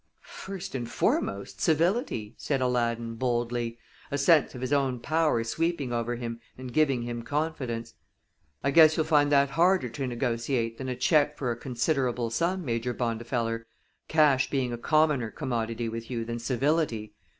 "First and foremost, civility," said Aladdin, boldly, a sense of his own power sweeping over him and giving him confidence. "I guess you'll find that harder to negotiate than a check for a considerable sum, Major Bondifeller, cash being a commoner commodity with you than civility.